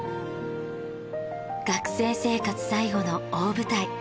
学生生活最後の大舞台。